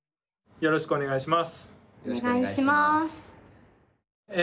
よろしくお願いします。